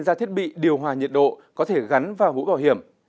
ra thiết bị điều hòa nhiệt độ có thể gắn vào mũ bảo hiểm